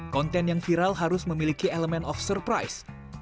konten yang viral harus memiliki elemen of surprise